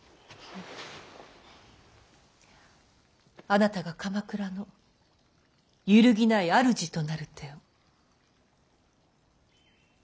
あなたが鎌倉の揺るぎない主となる手を。